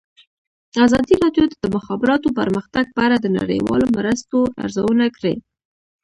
ازادي راډیو د د مخابراتو پرمختګ په اړه د نړیوالو مرستو ارزونه کړې.